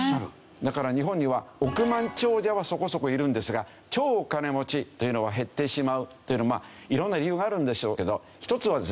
だから日本には億万長者はそこそこいるんですが超お金持ちというのは減ってしまうというのもいろんな理由があるんでしょうけど１つはですね